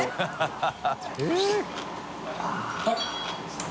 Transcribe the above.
ハハハ